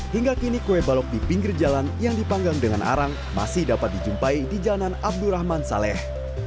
hingga kini kue balok di pinggir jalan yang dipanggang dengan arang masih dapat dijumpai di jalanan abdurrahman saleh